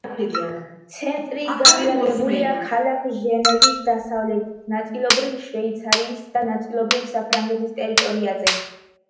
ცენტრი განლაგებულია ქალაქ ჟენევის დასავლეთით, ნაწილობრივ შვეიცარიის და ნაწილობრივ საფრანგეთის ტერიტორიაზე.